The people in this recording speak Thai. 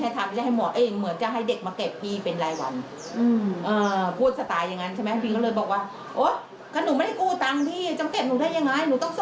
แต่ไม่เข้า